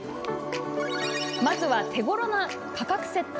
まずは手ごろな価格設定。